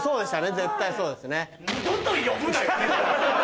絶対そうですね。